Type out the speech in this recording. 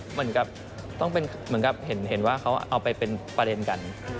เหมือนกับเห็นว่าเขาเอาไปเป็นประเด็นกัน